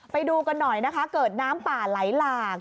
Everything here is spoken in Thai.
ไปดูกันหน่อยนะคะเกิดน้ำป่าไหลหลาก